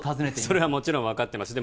それはもちろん分かってます